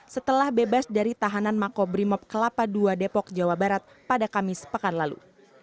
setelah bebas dari tahanan makobrimob kelapa ii depok jawa barat pada kamis pekan lalu